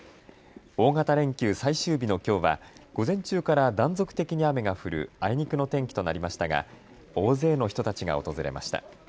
大型連休最終日のきょうは午前中から断続的に雨が降るあいにくの天気となりましたが大勢の人たちが訪れました。